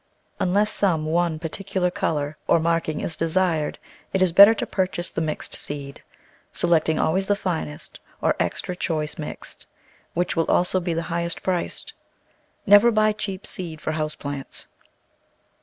Unless some one particular colour or marking is desired it is better to purchase the mixed seed — selecting always the finest, or "extra choice mixed," which will also be the highest priced. Never buy cheap seed for house plants.